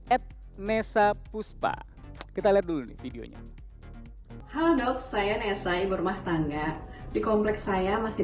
at nessa puspa kita lihat dulu videonya halo dok saya nessa ibu rumah tangga di kompleks saya masih